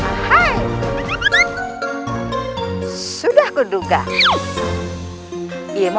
tuhan yang terbaik